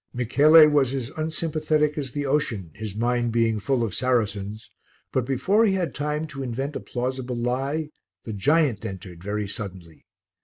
Michele was as unsympathetic as the ocean, his mind being full of Saracens; but before he had time to invent a plausible lie, the giant entered very suddenly.